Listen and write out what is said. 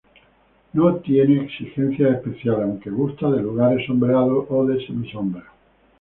No tiene exigencias especiales aunque gusta de lugares sombreados o de semisombra.